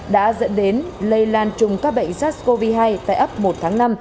đã dẫn đến lây lan chung các bệnh sars cov hai tại ấp một tháng năm